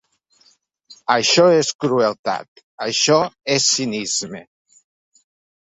Això és crueltat, això és cinisme.